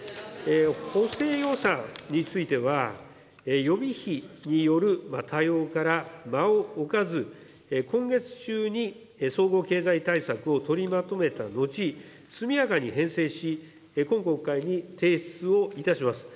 補正予算については、予備費による対応から場を置かず、今月中に総合経済対策を取りまとめたのち、速やかに編成し、今国会に提出をいたします。